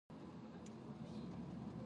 两站相距二百米左右。